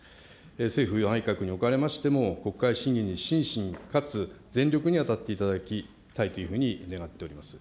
政府や内閣におかれましても国会審議に真摯にかつ全力で当たっていただきたいというふうに願っております。